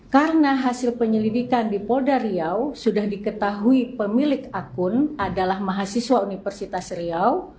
karena hasil penyelidikan di polda riau sudah diketahui pemilik akun adalah mahasiswa universitas riau